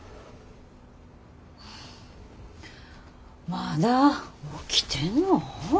まだ起きてんの？